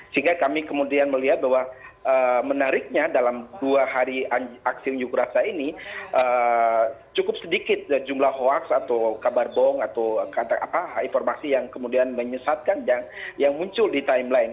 sehingga kami kemudian melihat bahwa menariknya dalam dua hari aksi unjuk rasa ini cukup sedikit jumlah hoax atau kabar bohong atau informasi yang kemudian menyesatkan yang muncul di timeline